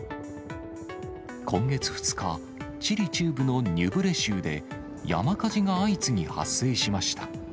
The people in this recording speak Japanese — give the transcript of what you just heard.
今月２日、チリ中部のニュブレ州で、山火事が相次ぎ発生しました。